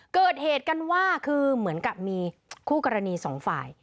เกิดเหตุกันว่าคือเหมือนกับมีคู่กรณีสองฝ่าย